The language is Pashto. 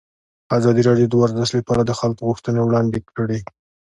ازادي راډیو د ورزش لپاره د خلکو غوښتنې وړاندې کړي.